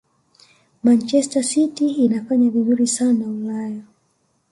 manchester city inafanya vizuri sana ulaya